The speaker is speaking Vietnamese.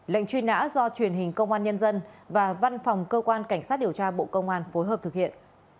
lệnh truy nã do truyền hình công an nhân dân và văn phòng cơ quan cảnh sát điều tra bộ công an phối hợp thực hiện